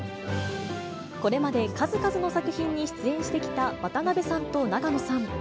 これまで数々の作品に出演してきた渡辺さんと永野さん。